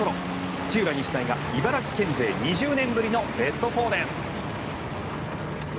土浦日大が茨城県勢２０年ぶりのベスト４です！